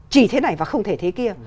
chỉ thế này và không thể thế kia